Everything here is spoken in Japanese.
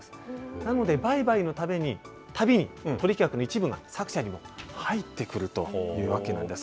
なので売買のたびに取引額の一部が、作者にも入ってくるというわけなんです。